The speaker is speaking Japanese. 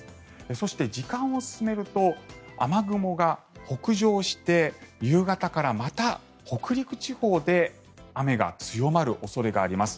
そして、時間を進めると雨雲が北上して夕方からまた北陸地方で雨が強まる恐れがあります。